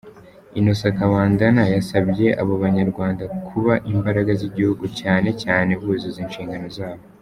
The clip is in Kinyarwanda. Innocent Kabandana yasabye abo Banyarwanda kuba imbaraga z’igihugu cyane cyane buzuza inshingano zabo.